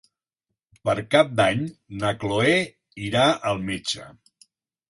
Per Cap d'Any na Chloé irà al metge.